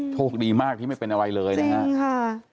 โชคดีมากที่ไม่เป็นอะไรเลยนะฮะจริงค่ะ